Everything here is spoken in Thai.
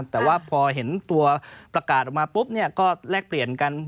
แต่ว่าพอเห็นตัวประกาศออกมาปุ๊บเนี่ยก็แลกเปลี่ยนกัน